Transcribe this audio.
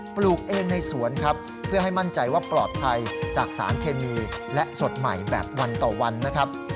ปลูกเองในสวนครับเพื่อให้มั่นใจว่าปลอดภัยจากสารเคมีและสดใหม่แบบวันต่อวันนะครับ